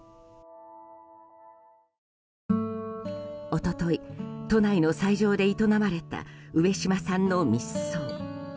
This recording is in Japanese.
一昨日、都内の斎場で営まれた上島さんの密葬。